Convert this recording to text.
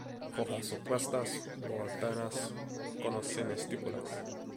Hojas opuestas o alternas, con o sin estípulas.